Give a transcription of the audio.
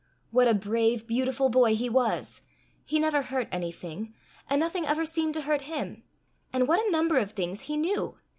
What a brave, beautiful boy he was! He never hurt anything, and nothing ever seemed to hurt him. And what a number of things he knew!